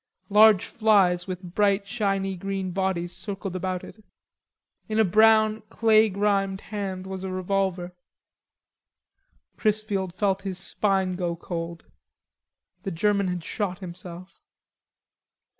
Large flies with bright shiny green bodies circled about it. In a brown clay grimed hand was a revolver. Chrisfield felt his spine go cold; the German had shot himself.